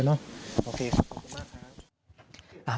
โอเคขอบคุณมากครับ